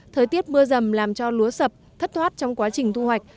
thời tiết mưa rầm làm cho lúa sập thất thoát trong quá trình thu hoạch